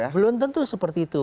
belum tentu seperti itu